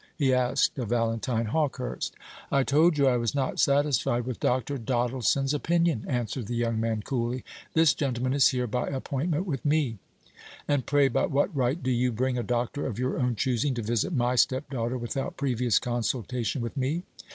he asked of Valentine Hawkehurst. "I told you I was not satisfied with Dr. Doddleson's opinion," answered the young man coolly. "This gentleman is here by appointment with me." "And pray by what right do you bring a doctor of your own choosing to visit my stepdaughter without previous consultation with me?"